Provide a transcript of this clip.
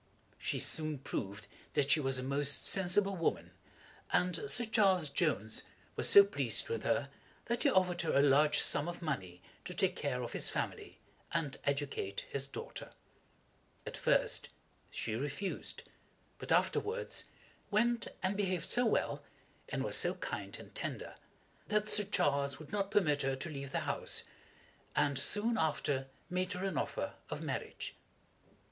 She soon proved that she was a most sensible woman, and Sir Charles Jones was so pleased with her, that he offered her a large sum of money to take care of his family, and educate his daughter. At first she refused, but afterwards went and behaved so well, and was so kind and tender, that Sir Charles would not permit her to leave the house, and soon after made her an offer of marriage.